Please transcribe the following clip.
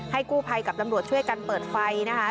กู้ภัยกับตำรวจช่วยกันเปิดไฟนะคะ